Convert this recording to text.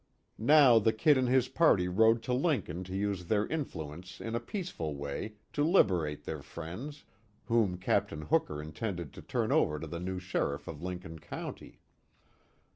Now the "Kid" and his party rode to Lincoln to use their influence in a peaceful way to liberate their friends, whom Capt. Hooker intended to turn over to the new sheriff of Lincoln County.